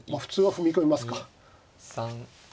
踏み込みました。